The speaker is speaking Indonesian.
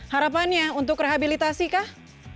harapannya untuk rehabilitasi kah